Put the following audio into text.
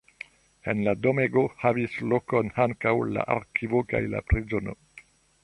En la domego havis lokon ankaŭ la arkivo kaj la prizono.